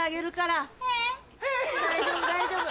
大丈夫大丈夫。